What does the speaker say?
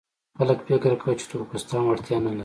خلک فکر کاوه چې تور پوستان وړتیا نه لري.